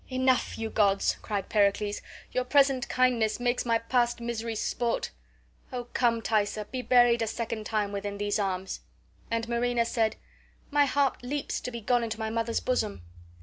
"Enough, you gods!" cried Pericles. "Your present kindness makes my past miseries sport. Oh, come, Thaisa, be buried a second time within these arms." And Marina said, "My heart leaps to be gone into my mother's bosom."